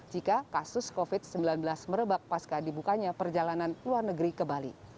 jika kasus covid sembilan belas merebak pasca dibukanya perjalanan luar negeri ke bali